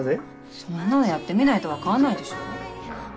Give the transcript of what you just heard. そんなのやってみないと分かんないでしょ？